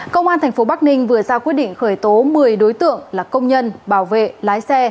công an tp bắc ninh vừa ra quyết định khởi tố một mươi đối tượng là công nhân bảo vệ lái xe